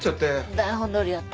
台本どおりやった？